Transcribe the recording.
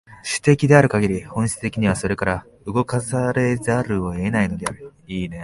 種的であるかぎり、本質的にそれから動かされざるを得ないのである。